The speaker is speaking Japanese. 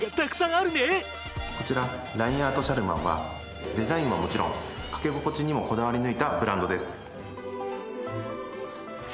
こちらラインアートシャルマンはデザインはもちろん掛け心地にもこだわり抜いたブランドです。